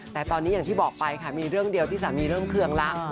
แต่ตอนนี้อย่างที่บอกไปค่ะมีเรื่องเดียวที่สามีเริ่มเคืองแล้ว